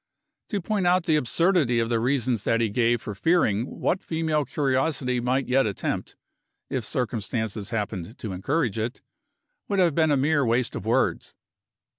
To point out the absurdity of the reasons that he gave for fearing what female curiosity might yet attempt, if circumstances happened to encourage it, would have been a mere waste of words.